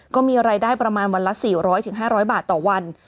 ก็มีรายได้ประมาณวันละ๔๐๐๕๐๐บาทต่อวัน